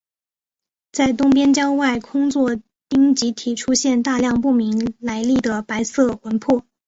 在东边郊外的空座町集体出现大量不明来历的白色魂魄。